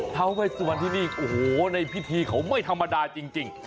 ท้าเวสวันที่นี่โอ้โหในพิธีเขาไม่ธรรมดาจริง